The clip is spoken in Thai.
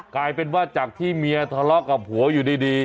กลายเป็นว่าจากที่เมียทะเลาะกับผัวอยู่ดี